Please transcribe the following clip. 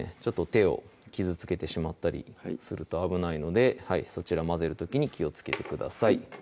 手を傷つけてしまったりすると危ないのでそちら混ぜる時に気をつけてください